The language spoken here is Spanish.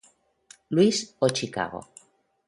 Louis o Chicago.